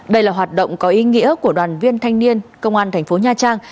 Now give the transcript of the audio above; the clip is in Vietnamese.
đây là hoạt động có ý nghĩa của đoàn viên thanh niên công an thành phố nha trang